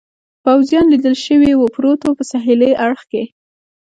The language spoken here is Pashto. پوځیان لیدل شوي و، پروت و، په سهېلي اړخ کې.